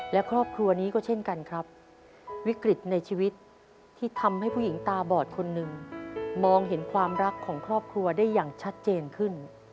และครอบครัวนี้ก็เช่นกันครับวิกฤตในชีวิตที่ทำให้ผู้หญิงตาบอดคนหนึ่งมองเห็นความรักของครอบครัวได้อย่างชัดเจนขึ้น